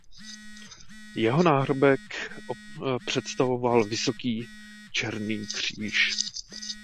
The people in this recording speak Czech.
Jeho první náhrobek představoval vysoký černý kříž.